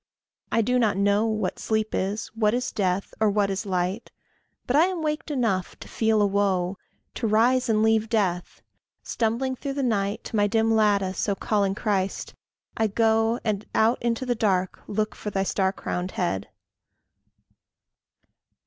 I do not know What sleep is, what is death, or what is light; But I am waked enough to feel a woe, To rise and leave death. Stumbling through the night, To my dim lattice, O calling Christ! I go, And out into the dark look for thy star crowned head.